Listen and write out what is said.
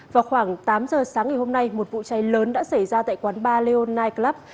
vào khoảng tám giờ sáng ngày hôm nay một vụ cháy lớn đã xảy ra tại quán bar leo night club